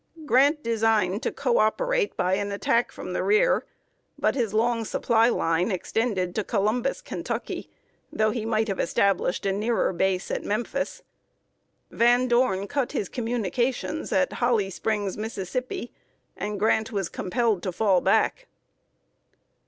Grant designed to co operate by an attack from the rear, but his long supply line extended to Columbus, Kentucky, though he might have established a nearer base at Memphis. Van Dorn cut his communications at Holly Springs, Mississippi, and Grant was compelled to fall back.